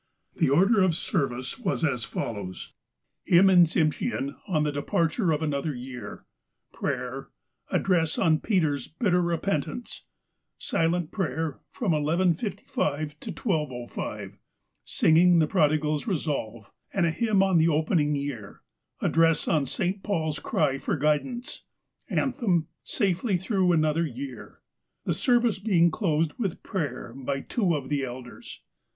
The order of the service was as follows : Hymn in Tsimshean on the departure of another year ; prayer ; address on Peter's bitter repentance; silent prayer from 11:55 ^o 12:05 ; singing the prodigal's resolve, and a hymn on the opening year; address on St. Paul's cry for guidance ; anthem, ' Safely through another year ;' the service being closed with prayer by two of the elders.